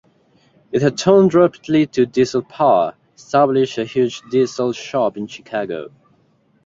It had turned rapidly to diesel power, established a huge diesel shop in Chicago.